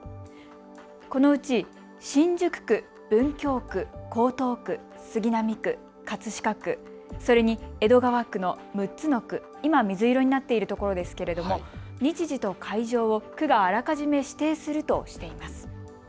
このうち新宿区、文京区、江東区、杉並区、葛飾区、それに江戸川区の６つの区、今、水色になっているところですけれども日時と会場を区があらかじめ指定するとしています。